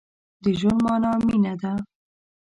د ژوند مانا مينه ده.